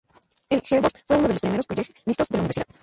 El Hertford fue uno de los primeros college mixtos de la universidad.